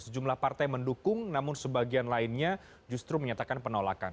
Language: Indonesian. sejumlah partai mendukung namun sebagian lainnya justru menyatakan penolakan